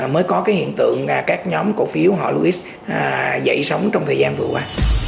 mới có cái hiện tượng các nhóm cổ phiếu họ logics dậy sống trong thời gian vừa qua